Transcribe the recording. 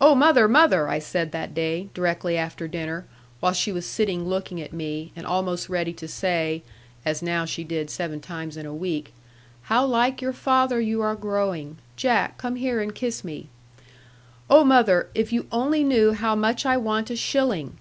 'Oh, mother, mother,' I said that day, directly after dinner, while she was sitting looking at me, and almost ready to say (as now she did seven times in a week), 'How like your father you are growing! Jack, come here and kiss me' 'oh, mother, if you only knew how much I want a shilling!'